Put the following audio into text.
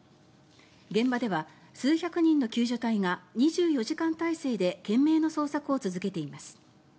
現場では数百人の救助隊が２４時間体制で懸命の捜索を続けています。